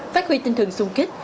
phát huy tinh thường sung kích